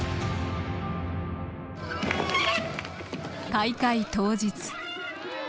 大会当日。